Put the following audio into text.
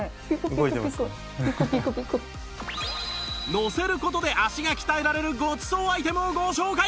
乗せる事で足が鍛えられるごちそうアイテムをご紹介！